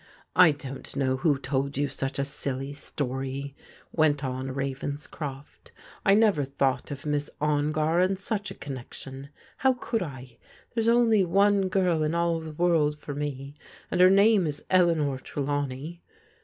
" I don't know who told you such a silly story," went on Ravenscroft. " I never thought of Miss Ongar in such a connection. How could I ? There's only one girl in all the world for me, and her name is Eleanor Tre lawney.